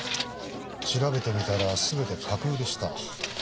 調べてみたらすべて架空でした。